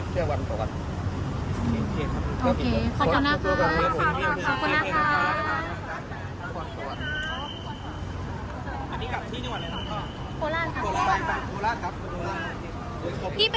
คุณอยู่ในโรงพยาบาลนะ